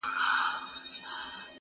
o اوبه په توره نه بېلېږي٫